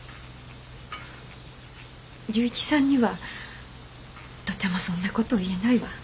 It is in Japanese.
龍一さんにはとてもそんな事言えないわ。